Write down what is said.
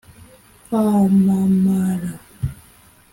kwamamara